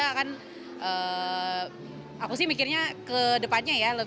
karena kan aku sih mikirnya ke depannya ya